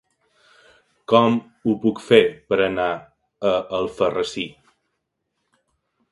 Com ho puc fer per anar a Alfarrasí?